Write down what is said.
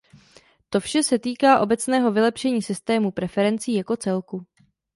To vše se týká obecného vylepšení systému preferencí jako celku.